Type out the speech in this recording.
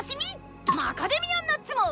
魔カデミアンナッツも！